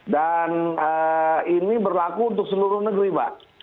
dan ini berlaku untuk seluruh negeri mbak